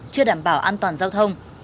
chưa đảm bảo an toàn giao thông